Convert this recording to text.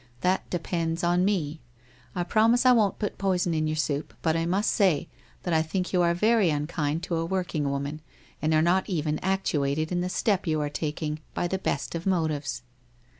That depends on me. I promise I won't put poison in your soup, but I must say that I think you are very unkind to a working woman, and are not even actuated in the step you are taking, by the best of motives.'